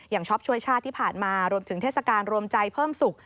ช็อปช่วยชาติที่ผ่านมารวมถึงเทศกาลรวมใจเพิ่มสุข